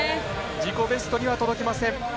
自己ベストには届きません。